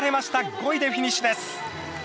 ５位でフィニッシュです。